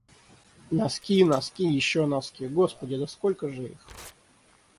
Носки, носки, ещё носки. Господи, да сколько же их?!